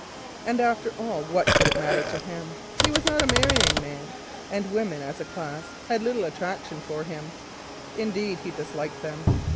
And after all what could it matter to him? He was not a marrying man, and women as a class had little attraction for him; indeed he disliked them.